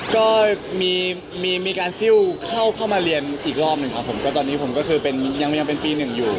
ก็มีมีการซิลเข้ามาเรียนอีกรอบหนึ่งครับผมก็ตอนนี้ผมก็คือเป็นยังเป็นปีหนึ่งอยู่